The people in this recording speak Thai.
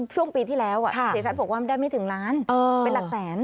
ช่วงปีที่แล้วเสียชัดบอกว่าได้ไม่ถึงล้านเป็นหลักแสน